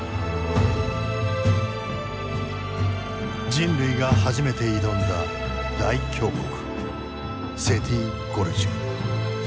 人類が初めて挑んだ大峡谷セティ・ゴルジュ。